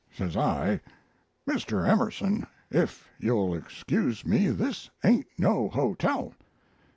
"Says I, 'Mr. Emerson, if you'll excuse me, this ain't no hotel.'